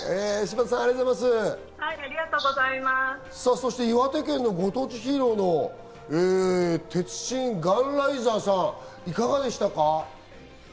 そして岩手県のご当地ヒーローの鉄神ガンライザーさん、いかがでしたか？